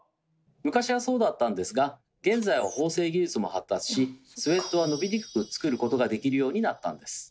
昔はそうだったんですが現在は縫製技術も発達しスウェットは伸びにくく作ることができるようになったんです。